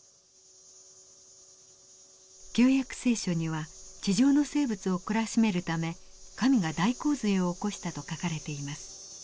「旧約聖書」には地上の生物を懲らしめるため神が大洪水を起こしたと書かれています。